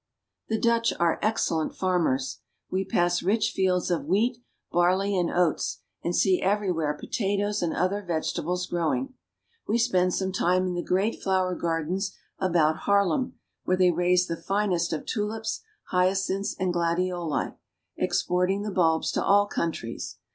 The Dutch are excellent farmers. We pass rich fields of wheat, barley, and oats, and see everywhere potatoes and other vegetables growing. We spend some time in the great flower gardens about Haarlem, where they raise the finest of tulips, hyacinths, and gladioli, exporting the bulbs to all countries.